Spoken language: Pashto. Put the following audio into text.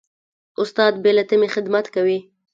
استاد بې له تمې خدمت کوي.